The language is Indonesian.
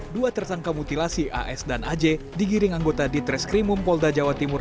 dua tersangka mutilasi as dan aj digiring anggota ditres krimum polda jawa timur